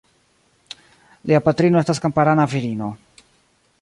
Lia patrino estas kamparana virino.